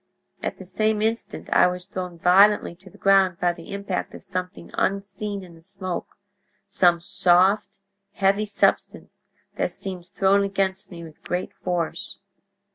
At the same instant I was thrown violently to the ground by the impact of something unseen in the smoke—some soft, heavy substance that seemed thrown against me with great force.